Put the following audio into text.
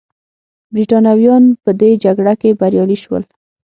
برېټانویان په دې جګړه کې بریالي شول.